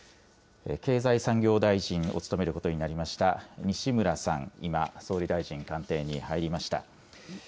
経済産業大臣を務めることになりました西村さん、今、総理大臣官邸に入りました。